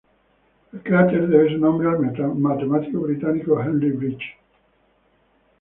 El cráter debe su nombre al matemático británico Henry Briggs.